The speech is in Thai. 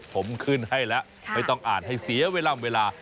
ผมขึ้นให้แล้วไม่ต้องอ่านให้เสียเวลา